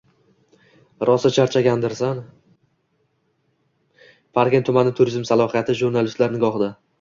Parkent tumani turizm salohiyati jurnalistlar nigohida